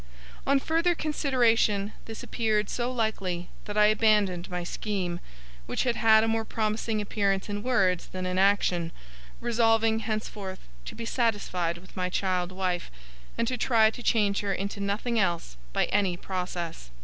On further consideration this appeared so likely, that I abandoned my scheme, which had had a more promising appearance in words than in action; resolving henceforth to be satisfied with my child wife, and to try to change her into nothing else by any process.